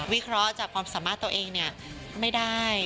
เคราะห์จากความสามารถตัวเองไม่ได้